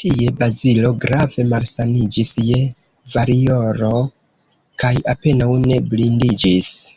Tie Bazilo grave malsaniĝis je variolo kaj apenaŭ ne blindiĝis.